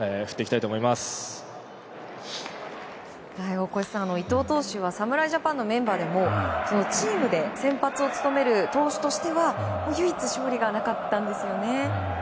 大越さん、伊藤投手は侍ジャパンのメンバーでもチームで先発を務める投手としては唯一、勝利がなかったんですよね。